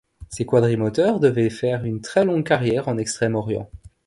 Ces quadrimoteurs devaient faire une très longue carrière en extrême-orient.